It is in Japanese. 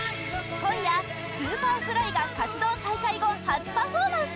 今夜、Ｓｕｐｅｒｆｌｙが活動再開後初パフォーマンス！